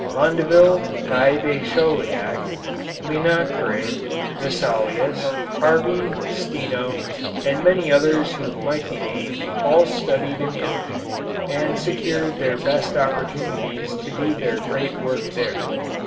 Mondeville, Guy de Chauliac, Linacre, Vesalius, Harvey, Steno, and many others who might be named, all studied in Italy, and secured their best opportunities to do their great work there.